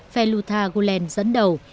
phe luthar gulen dẫn đầu